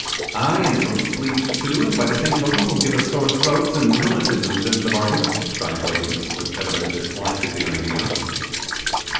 'Aye, and from sleep too, and by the same token will give us sore throats, and rheumatisms into the bargain,' cried Toby, with evident dislike at the idea.